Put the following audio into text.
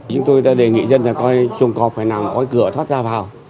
chúng tôi đã đề nghị dân phải coi trùng cọp phải làm coi cửa thoát ra vào